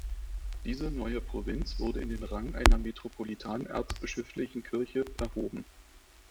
Diese neue Provinz wurde in den Rang einer metropolitan-erzbischöflichen Kirche erhoben.